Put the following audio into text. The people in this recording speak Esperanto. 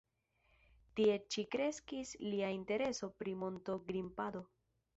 Tie ĉi kreskis lia intereso pri monto-grimpado.